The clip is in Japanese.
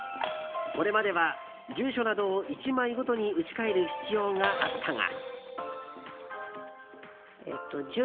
これまでは住所などを１枚ごとに打ち替える必要があったが。